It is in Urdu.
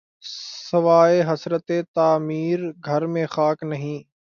سواے حسرتِ تعمیر‘ گھر میں خاک نہیں